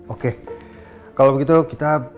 oke kalau begitu kita